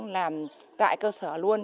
làm tại cơ sở luôn